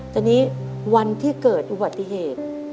ตอนนี้วันที่เกิดอุบัติเหตุ